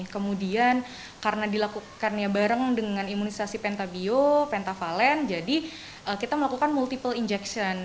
kemudian karena dilakukannya bareng dengan imunisasi pentabio pentavalen jadi kita melakukan multiple injection